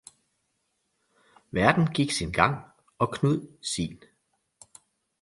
Verden gik sin gang og knud sin